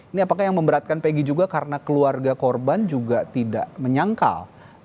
ini apakah yang memberatkan peggy juga karena keluarga korban juga tidak menyangkal